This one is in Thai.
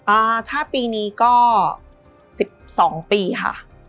อ่าถ้าปีนี้ก็๑๒ปีค่ะ